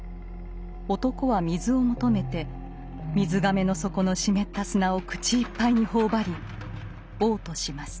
男は水を求めて水甕の底のしめった砂を口いっぱいに頬張り嘔吐します。